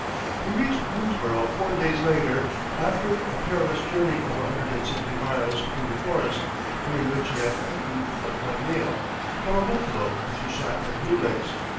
He reached Boonesborough four days later after a perilous journey of a hundred and sixty miles through the forest, during which he had eaten but one meal from a buffalo which he shot at Blue Licks.